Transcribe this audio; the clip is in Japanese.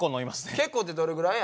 結構ってどれぐらいや？